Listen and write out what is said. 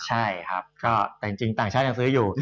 ใช่ครับก็แต่จริงต่างชาติยังซื้ออยู่